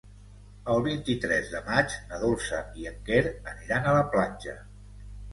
El vint-i-tres de maig na Dolça i en Quer aniran a la platja.